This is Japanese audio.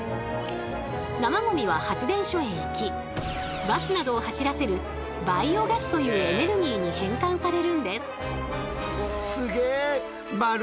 生ゴミは発電所へ行きバスなどを走らせるバイオガスというエネルギーに変換されるんです！